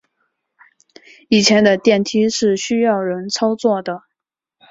以前的电梯是需要人操作的。